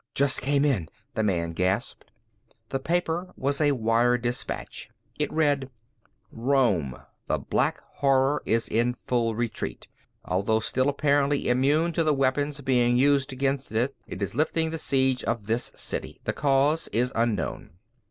"Just came in," the man gasped. The paper was a wire dispatch. It read: "Rome The Black Horror is in full retreat. Although still apparently immune to the weapons being used against it, it is lifting the siege of this city. The cause is unknown."